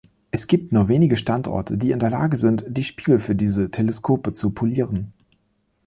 Es gibt nur wenige Standorte, die in der Lage sind, die Spiegel für diese Teleskope zu polieren.